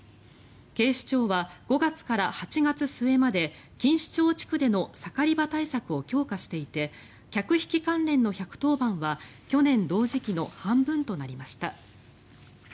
警視庁は５月から８月末まで錦糸町地区での盛り場対策を強化していて客引き関連の１１０番は去年同時期の半分となりました。